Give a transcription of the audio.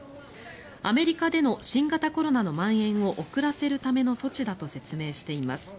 アメリカでの新型コロナのまん延を遅らせるための措置だと説明しています。